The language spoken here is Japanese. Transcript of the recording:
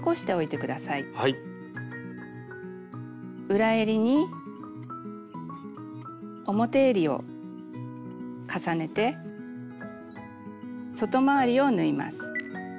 裏えりに表えりを重ねて外回りを縫います。